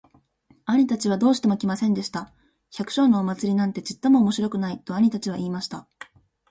兄たちはどうしても来ませんでした。「百姓のお祭なんてちっとも面白くない。」と兄たちは言いました。